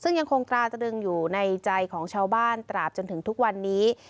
ซึ่งยังคงตราตรึงอยู่ในใจของชาวบ้านตราบจนถึงทุกวันนี้